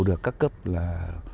h usted liên tục